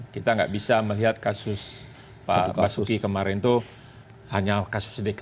kita nggak bisa melihat kasus pak basuki kemarin itu hanya kasus dki